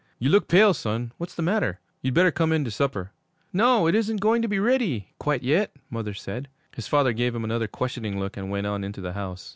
'You look pale, son; what's the matter? You'd better come in to supper.' 'No, it isn't going to be ready quite yet, mother said.' His father gave him another questioning look and went on into the house.